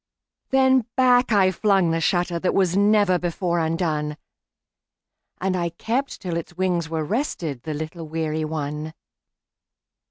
Then back I flung the shutterThat was never before undone, And I kept till its wings were restedThe little weary one.